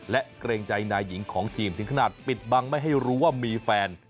และเกรงใจนายหญิงของทีมถึงขนาดปิดบังไม่ให้รู้ว่ามีแฟน